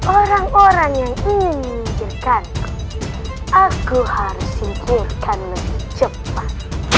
orang orang yang ingin menginjilkan aku aku harus menginjilkan lebih cepat